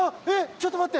ちょっと待って。